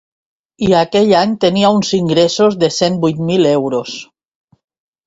I aquell any tenia uns ingressos de cent divuit mil euros.